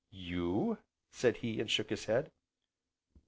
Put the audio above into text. "You?" said he, and shook his head.